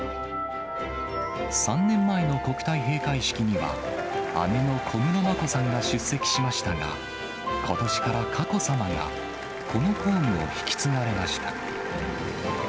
３年前の国体閉会式には、姉の小室眞子さんが出席しましたが、ことしから佳子さまがこの公務を引き継がれました。